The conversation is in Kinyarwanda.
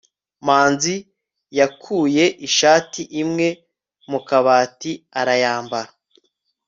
manzi yakuye ishati imwe mu kabati arayambara